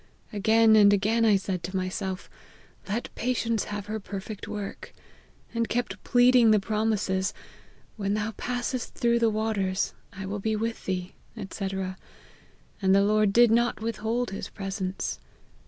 Again and again I said to myself, Let patience have her perfect work;' and kept pleading the promises, ' When thou passest through the waters, I will be with thee,' <fcc. ; and the Lord did not withhold his presence.